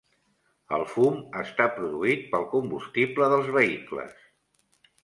El fum està produït pel combustible dels vehicles.